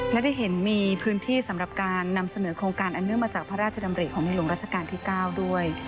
และได้เห็นมีพื้นที่สำหรับการนำเสนอโครงการอันเนื่องมาจากพระราชดำริของในหลวงราชการที่๙ด้วย